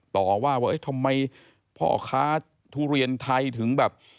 ต่อว่าว่าเอ๊ะทำไมพ่อค้าทุเรียนไทยถึงแบบ